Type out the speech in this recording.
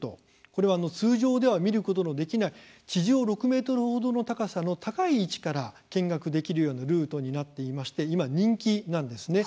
これは、通常では見ることのできない地上６ｍほどの高さの高い位置から見学できるようなルートになっていまして今、人気なんですね。